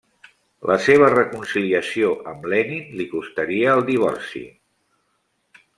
La seva reconciliació amb Lenin li costaria el divorci.